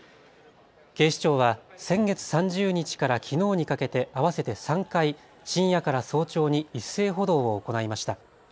警視庁は先月３０日からきのうにかけて合わせて３回、深夜から早朝に一斉補導を行いました。